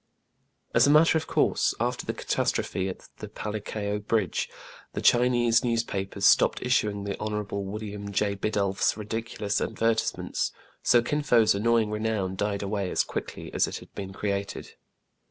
As a matter of course, after the catastrophe at the Palikao bridge, the Chinese newspapers stopped issuing the Hon. William J. Bidulph's ridiculous advertisements ; so Kin Fo*s annoying renown died away as quickly as it had been created.